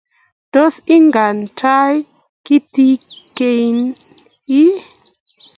Tos inang' te tai kitikin ii?